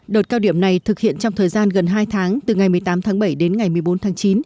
đợt cao điểm này thực hiện trong thời gian gần hai tháng từ ngày một mươi tám tháng bảy đến ngày một mươi bốn tháng chín